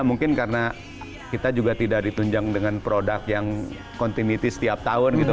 mungkin karena kita juga tidak ditunjang dengan produk yang continuity setiap tahun gitu